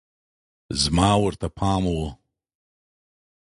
زما ورته پام و